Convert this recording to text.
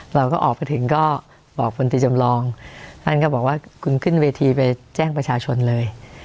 เราก็ออกไปถึงก็บอกพลตรีจำลองท่านก็บอกว่าคุณขึ้นเวทีไปแจ้งประชาชนเลย